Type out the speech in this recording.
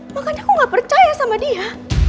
makanya aku gak percaya sama dia